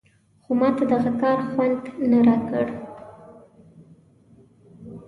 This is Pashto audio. خو ماته دغه کار خوند نه راکړ.